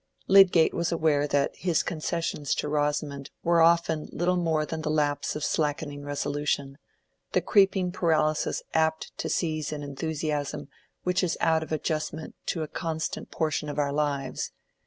Lydgate was aware that his concessions to Rosamond were often little more than the lapse of slackening resolution, the creeping paralysis apt to seize an enthusiasm which is out of adjustment to a constant portion of our lives.